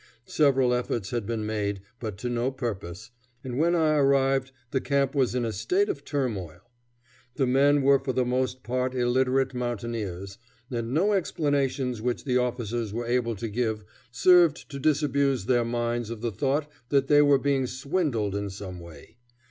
Several efforts had been made, but to no purpose, and when I arrived the camp was in a state of turmoil. The men were for the most part illiterate mountaineers, and no explanations which the officers were able to give served to disabuse their minds of the thought that they were being swindled in some way.